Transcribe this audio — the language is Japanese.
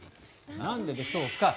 なんででしょうか。